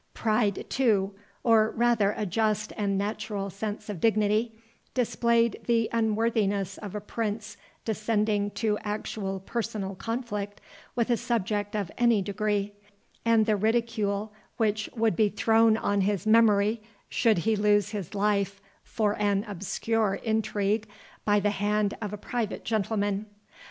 Pride too, or rather a just and natural sense of dignity, displayed the unworthiness of a Prince descending to actual personal conflict with a subject of any degree, and the ridicule which would be thrown on his memory, should he lose his life for an obscure intrigue by the hand of a private gentleman.